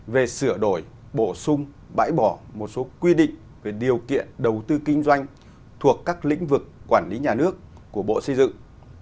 về sửa đổi bổ sung bãi bỏ một số quy định về điều kiện đầu tư kinh doanh thuộc các lĩnh vực quản lý nhà nước của bộ xây dựng